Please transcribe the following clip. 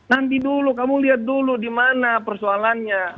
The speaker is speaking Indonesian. nanti dulu kamu lihat dulu dimana persoalannya